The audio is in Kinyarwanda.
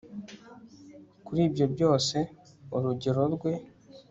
Kuri ibyo byose urugero rwe